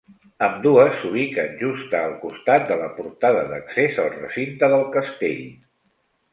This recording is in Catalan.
Ambdues s'ubiquen justa al costat de la portada d'accés al recinte del castell.